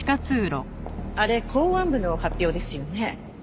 あれ公安部の発表ですよね？